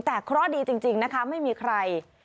แต่เคราะห์ดีจริงนะคะไม่มีใคร